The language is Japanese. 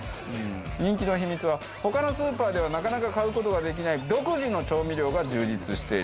人気の秘密は他のスーパーではなかなか買う事ができない独自の調味料が充実している事。